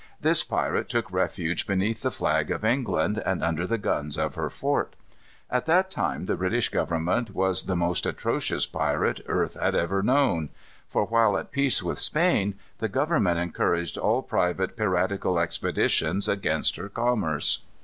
This pirate took refuge beneath the flag of England and under the guns of her fort. At that time the British Government was the most atrocious pirate earth had ever known; for while at peace with Spain, the Government encouraged all private piratical expeditions against her commerce.